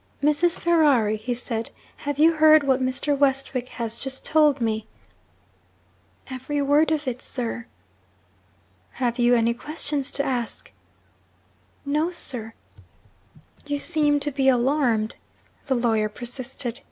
'Mrs. Ferrari,' he said, 'have you heard what Mr. Westwick has just told me?' 'Every word of it, sir.' 'Have you any questions to ask?' 'No, sir.' 'You seem to be alarmed,' the lawyer persisted.